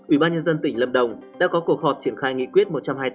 ủy ban nhân dân tỉnh lâm đồng đã có cuộc họp triển khai nghị quyết một trăm hai mươi tám